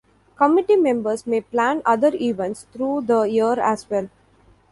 Committee members may plan other events through the year as well.